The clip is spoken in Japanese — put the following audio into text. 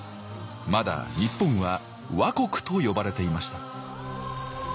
まだ日本は倭国と呼ばれていました。